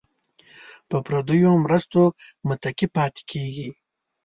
په پردیو مرستو متکي پاتې کیږي.